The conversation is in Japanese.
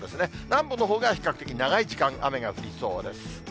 南部のほうが比較的長い時間、雨が降りそうです。